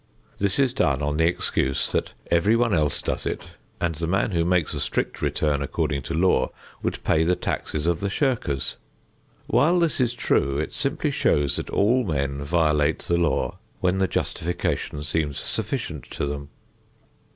This is done on the excuse that everyone else does it, and the man who makes a strict return according to law would pay the taxes of the shirkers. While this is true, it simply shows that all men violate the law when the justification seems sufficient to them.